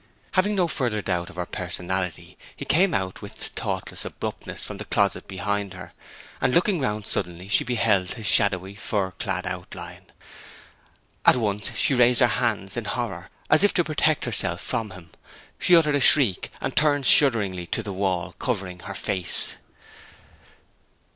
Having no further doubt of her personality he came out with thoughtless abruptness from the closet behind her, and looking round suddenly she beheld his shadowy fur clad outline. At once she raised her hands in horror, as if to protect herself from him; she uttered a shriek, and turned shudderingly to the wall, covering her face.